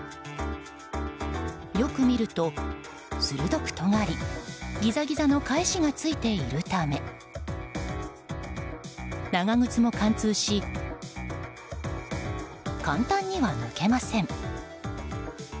よく見ると、鋭くとがりギザギザの返しがついているため長靴も貫通し簡単には抜けません。